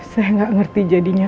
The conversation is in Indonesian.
saya gak ngerti jadinya